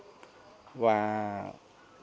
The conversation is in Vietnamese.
và không đảm bảo